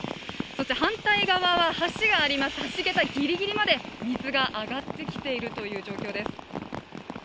そして反対側は橋があります、橋桁ギリギリまで水が上がってきているという状況です。